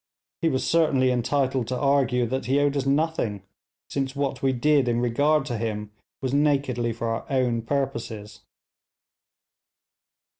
He was certainly entitled to argue that he owed us nothing, since what we did in regard to him was nakedly for our own purposes.